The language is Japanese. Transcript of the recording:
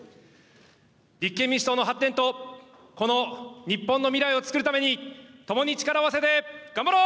立憲民主党の発展とこの日本の未来をつくるために、共に力を合わせて、頑張ろう。